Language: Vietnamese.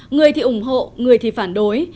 người thì ủng hộ người thì phản đối